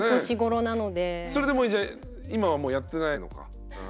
それでもうじゃあ今はもうやってないのか。